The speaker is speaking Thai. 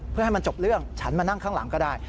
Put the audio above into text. เพื่อให้มันจบเรื่องฉันมานั่งข้างหลังก็ได้